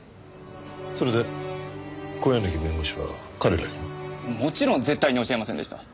それで小柳弁護士は彼らには？もちろん絶対に教えませんでした。